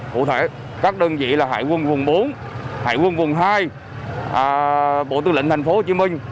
cụ thể các đơn vị là hải quân vùng bốn hải quân vùng hai bộ tư lệnh thành phố hồ chí minh